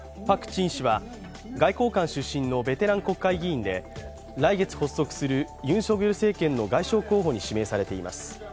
チン氏は外交官出身のベテラン国会議員で来月発足するユン・ソギョル政権の外相候補に指名されています。